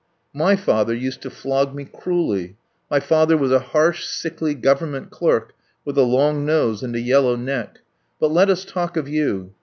"My father used to flog me cruelly; my father was a harsh, sickly Government clerk with a long nose and a yellow neck. But let us talk of you.